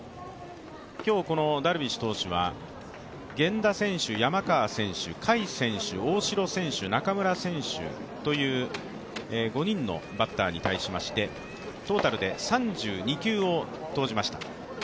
今日このダルビッシュ投手は源田選手、山川選手、甲斐選手、大城選手中村選手という５人のバッターに対しまして、トータル３２球を投じました。